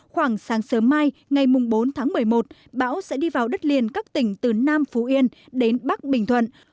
khoảng sáng sớm mai ngày bốn tháng một mươi một bão sẽ đi vào đất liền các tỉnh từ nam phú yên đến bắc bình thuận